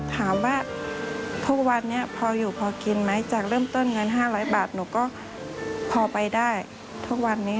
ถามว่าทุกวันนี้พออยู่พอกินไหมจากเริ่มต้นเงิน๕๐๐บาทหนูก็พอไปได้ทุกวันนี้